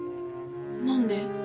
何で？